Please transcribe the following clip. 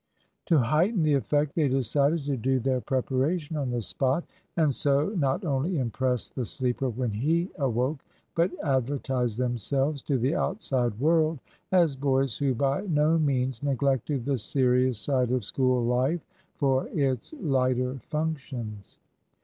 To heighten the effect, they decided to do their preparation on the spot, and so not only impress the sleeper when he awoke, but advertise themselves to the outside world as boys who by no means neglected the serious side of school life for its lighter functions.